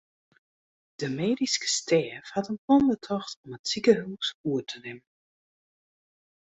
De medyske stêf hat in plan betocht om it sikehús oer te nimmen.